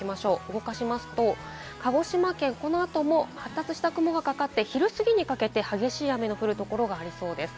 動かしますと、鹿児島県、このあとも発達した雲がかかって昼すぎにかけて激しい雨の降るところがありそうです。